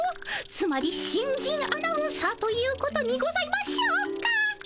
つまり新人アナウンサーということにございましょうか？